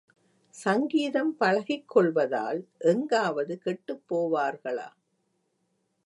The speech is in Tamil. சங்கீதம் பழகிக் கொள்வதால் எங்காவது கெட்டுப் போவார்களா?